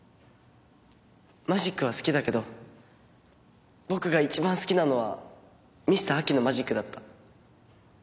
マジックは好きだけど僕が一番好きなのはミスター・アキのマジックだった。